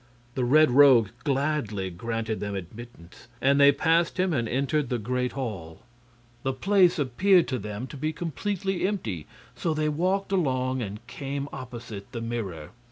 The Red Rogue gladly granted them admittance, and they passed him and entered the great hall. The place appeared to them to be completely empty, so they walked along and came opposite the mirror.